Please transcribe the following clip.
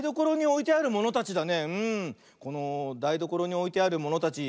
このだいどころにおいてあるものたち